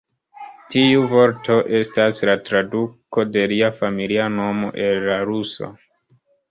Tiu vorto estas la traduko de lia familia nomo el la rusa.